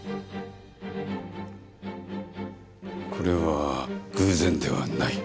これは偶然ではない。